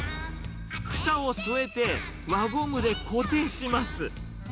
ふたを添えて輪ゴムで固定します。